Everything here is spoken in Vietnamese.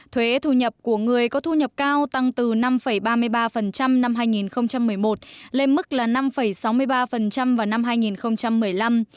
thuế thu nhập của người có thu nhập cao tăng từ năm ba mươi ba năm hai nghìn một mươi một lên mức là năm sáu mươi ba vào năm hai nghìn một mươi năm